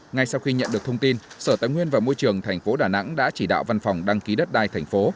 ngay sau khi nhận được thông tin sở tài nguyên và môi trường tp đà nẵng đã chỉ đạo văn phòng đăng ký đất đai thành phố